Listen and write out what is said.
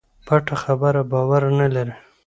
پټه خبره باور نه لري.